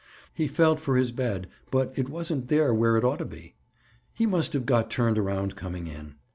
He felt for his bed, but it wasn't there where it ought to be. He must have got turned around coming in.